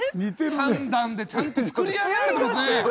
３段でちゃんと作り上げられてますね！